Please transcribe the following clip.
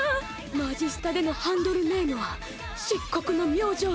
マジスタでのハンドルネームは漆黒の明星。